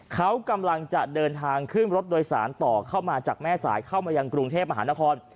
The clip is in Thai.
เขากำลังจะเดินทางขึ้นรถโดยสารต่อเข้ามาจากแม่สายเข้ามายังกรุงเทพมหานคร